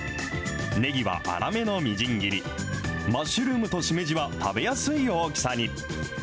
ねぎは粗めのみじん切り、マッシュルームとしめじは食べやすい大きさに。